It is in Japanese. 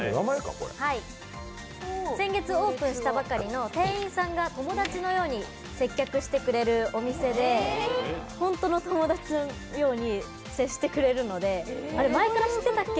先月オープンしたばかりの店員さんが友達のように接客してくれるお店で、本当に友達のように接してくれるので前から知ってたっけ？